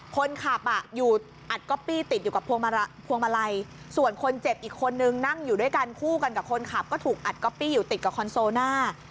คนขับอยู่อัดก๊อปปี้ติดอยู่กับพวงมาลัยส่วนคนเจ็บอีกคนนึงนั่งอยู่ด้วยกันคู่กันกับคนขับก็ถูกอัดก๊อปปี้อยู่ติดกับคอนโซน่า